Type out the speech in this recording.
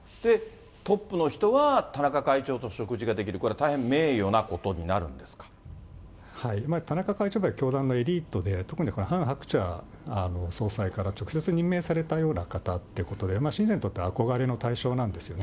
トップの人は田中会長と食事ができる、これは大変名誉なこと田中会長、やっぱり教団のエリートで、特にハン・ハクチャ総裁から直接任命されたような方ということで、信者にとっては憧れの対象なんですよね。